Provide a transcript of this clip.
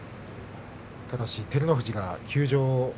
ただし、照ノ富士が休場。